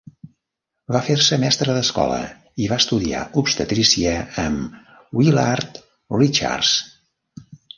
Va fer-se mestre d'escola i va estudiar obstetrícia amb Willard Richards.